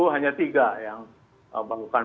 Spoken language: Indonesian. hanya tiga yang membangunkan